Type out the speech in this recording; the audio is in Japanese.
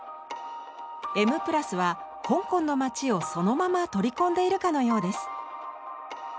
「Ｍ＋」は香港の街をそのまま取り込んでいるかのようです。